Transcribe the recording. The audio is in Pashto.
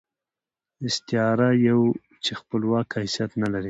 استعاره يو چې خپلواک حيثيت نه لري.